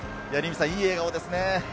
いい笑顔ですね。